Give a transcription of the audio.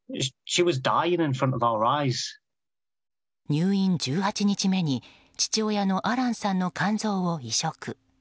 入院１８日目に父親さんのアランさんの肝臓を移植。